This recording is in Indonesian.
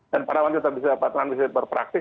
dan para wanita bisa dapat berpraktek